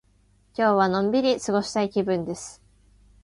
今日はのんびり過ごしたい気分です。